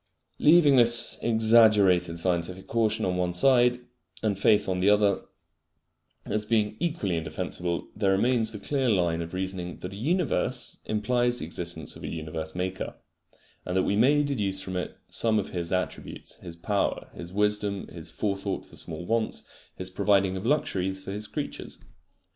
Leaving this exaggerated scientific caution on the one side, and faith on the other, as being equally indefensible, there remains the clear line of reasoning that a universe implies the existence of a universe maker, and that we may deduce from it some of His attributes, His power, His wisdom, His forethought for small wants, His providing of luxuries for His creatures.